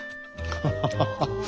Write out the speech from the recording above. ハハハハッ。